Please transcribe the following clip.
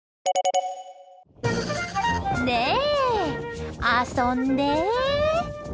ねえ、遊んで。